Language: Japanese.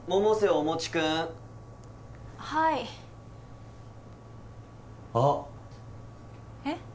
おもち君はいあっえっ？